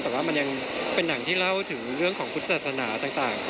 แต่ว่ามันยังเป็นหนังที่เล่าถึงเรื่องของพุทธศาสนาต่าง